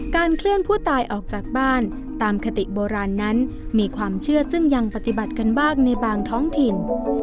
เคลื่อนผู้ตายออกจากบ้านตามคติโบราณนั้นมีความเชื่อซึ่งยังปฏิบัติกันบ้างในบางท้องถิ่น